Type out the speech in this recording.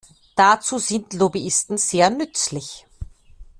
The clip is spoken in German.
Dazu sind Lobbyisten sehr nützlich.